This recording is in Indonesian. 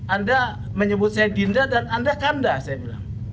anda menyebut saya dinda dan anda kanda saya bilang